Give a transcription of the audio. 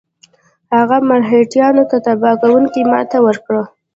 هغه مرهټیانو ته تباه کوونکې ماته ورکړه.